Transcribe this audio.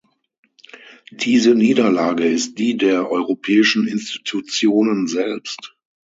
Diese Niederlage ist die der europäischen Institutionen selbst.